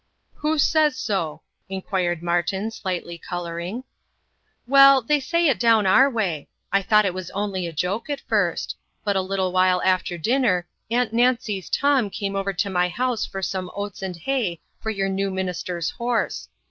"Who says so?" inquired Martin, slightly colouring. "Well, they say it down our way. I thought it was only a joke, at first. But a little while after dinner, Aunt Nancy's Tom came over to my house for some oats and hay for your new minister's horse.